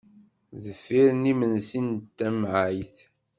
Deffir n yimensi d tamɛayt.